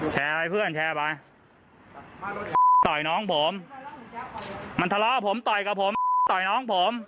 ให้เพื่อนแชร์ไปต่อยน้องผมมันทะเลาะผมต่อยกับผมต่อยน้องผม